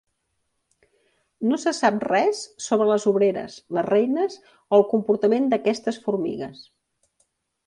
No se sap res sobre les obreres, les reines o el comportament d'aquestes formigues.